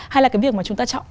hay là cái việc mà chúng ta chọn